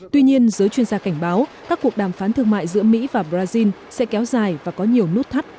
tuy nhiên giới chuyên gia cảnh báo các cuộc đàm phán thương mại giữa mỹ và brazil sẽ kéo dài và có nhiều nút thắt